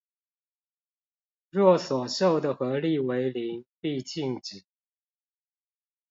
若所受的合力為零必靜止